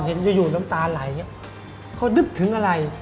เห็นอยู่น้ำตาไหลเขานึกถึงอะไร